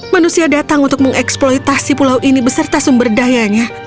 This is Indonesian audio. manusia datang untuk mengeksploitasi pulau ini beserta sumber dayanya